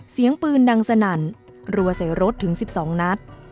เสียงปืนดังสนั่นรัวใส่รถถึง๑๒นัด